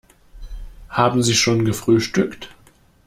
Haben Sie schon gefrühstückt?